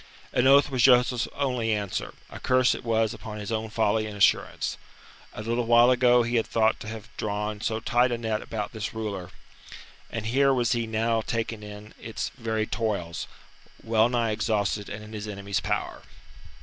An oath was Joseph's only answer a curse it was upon his own folly and assurance. A little while ago he had thought to have drawn so tight a net about this ruler, and here was he now taken in its very toils, well nigh exhausted and in his enemy's power.